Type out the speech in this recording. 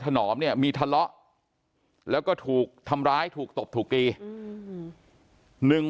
ถนอมเนี่ยมีทะเลาะแล้วก็ถูกทำร้ายถูกตบถูกตีหนึ่ง